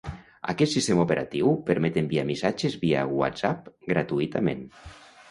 Aquest sistema operatiu permet enviar missatges via WhatsApp gratuïtament.